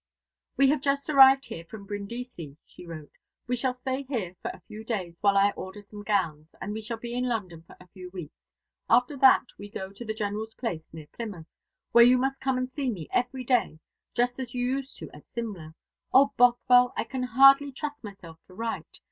"We have just arrived here from Brindisi," she wrote. "We shall stay here for a few days while I order some gowns, and we shall be in London for a few weeks. After that we go to the General's place near Plymouth, where you must come and see me every day, just as you used at Simla. O Bothwell, I can hardly trust myself to write.